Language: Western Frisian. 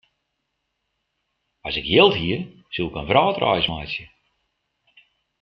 As ik jild hie, soe ik in wrâldreis meitsje.